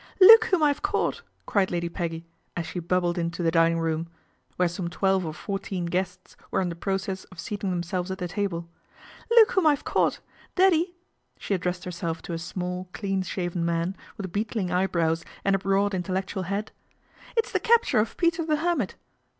" Look whom I've caught !" cried Lady Pegg as she bubbled into the dining room, where som twelve or fourteen guests were in process of sea 1 ing themselves at the table. " Look whom I'\ caught ! Daddy," she addressed herself to a sma clean shaven man, with beetling eyebrows and broad, intellectual head. " It's the captor if Peter the Hermit."